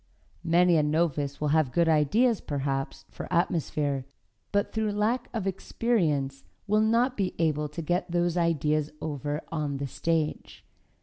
Many a novice will have good ideas, perhaps, for atmosphere, but through lack of experience will not be able to get those ideas over on the stage.